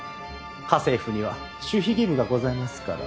家政婦には守秘義務がございますから。